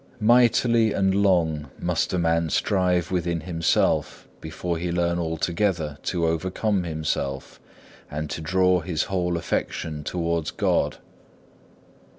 3. Mightily and long must a man strive within himself before he learn altogether to overcome himself, and to draw his whole affection towards God.